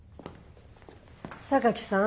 榊さん。